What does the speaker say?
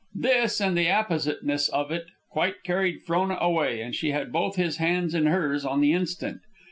This, and the appositeness of it, quite carried Frona away, and she had both his hands in hers on the instant.